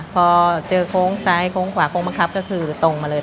พอเจอโค้งซ้ายโค้งขวาโค้งบังคับก็คือตรงมาเลย